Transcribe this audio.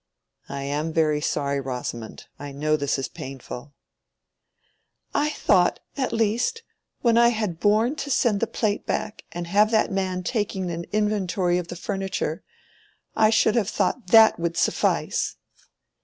"I am very sorry, Rosamond; I know this is painful." "I thought, at least, when I had borne to send the plate back and have that man taking an inventory of the furniture—I should have thought that would suffice."